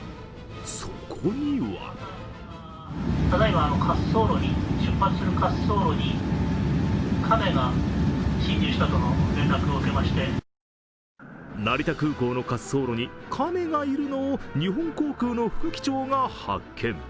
そこには成田空港の滑走路に亀がいるのを日本航空の副機長が発見。